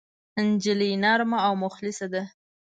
نجلۍ نرمه او مخلصه ده.